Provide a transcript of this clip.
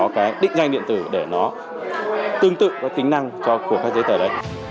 chúng ta cần phải có cái định danh điện tử để nó tương tự với tính năng của các giấy tờ đấy